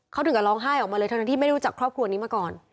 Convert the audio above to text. เขาถึงกับร้องไห้ออกมาเลยทั้งที่ไม่รู้จักครอบครัวนี้มาก่อน